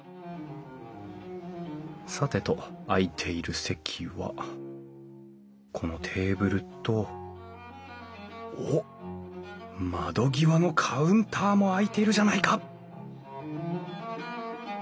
さてと空いている席はこのテーブルとおっ窓際のカウンターも空いているじゃないか！